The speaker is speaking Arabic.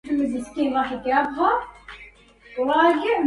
النفس من فقدها حرى مولهة